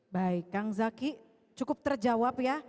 baik kang zaki cukup terjawab ya